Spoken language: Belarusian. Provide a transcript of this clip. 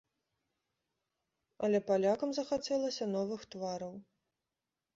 Але палякам захацелася новых твараў.